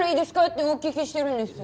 ってお聞きしてるんです。